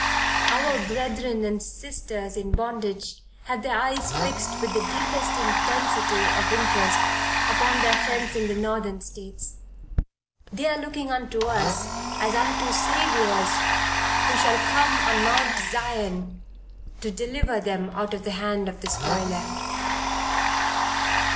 Our brethren and sisters in bondage have their eyes fixed with the deepest intensity of interest upon their friends in the Northern States, they are looking unto us as unto "Saviours who shall come up on Mount Zion" to deliver them out of the hand of the spoiler.